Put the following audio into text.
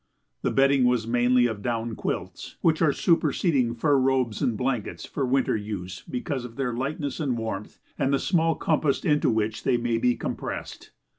The bedding was mainly of down quilts, which are superseding fur robes and blankets for winter use because of their lightness and warmth and the small compass into which they may be compressed.